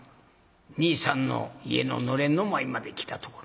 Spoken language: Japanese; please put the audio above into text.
兄さんの家の暖簾の前まで来たところ。